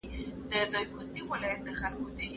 زه به انځورونه رسم کړي وي!!